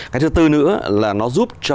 cái thứ tư nữa là nó giúp cho